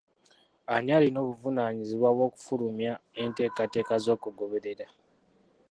Ani alina obuvunaanyizibwa bw'okufulumya enteekateeka z'okugoberera?